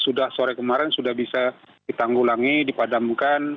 sudah sore kemarin sudah bisa ditanggulangi dipadamkan